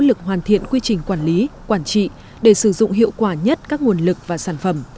nỗ lực hoàn thiện quy trình quản lý quản trị để sử dụng hiệu quả nhất các nguồn lực và sản phẩm